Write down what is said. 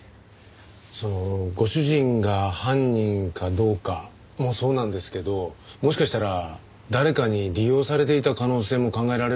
ご主人が犯人かどうかもそうなんですけどもしかしたら誰かに利用されていた可能性も考えられるんですよ。